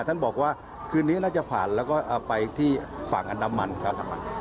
ท่านบอกว่าคืนนี้น่าจะผ่านแล้วก็เอาไปที่ฝั่งอันดามันครับ